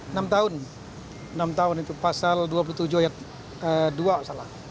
enam tahun enam tahun itu pasal dua puluh tujuh ayat dua salah